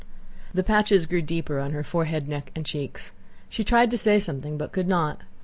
The patches grew deeper on her forehead, neck, and cheeks. She tried to say something but could not.